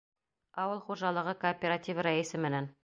Ауыл хужалығы кооперативы рәйесе менән!